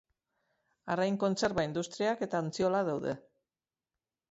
Arrain kontserba industriak eta ontziolak daude.